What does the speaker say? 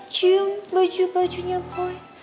cium baju bajunya boy